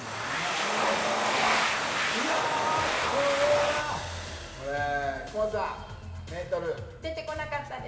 なるほどいやこれはこれ福元さんメートル出てこなかったです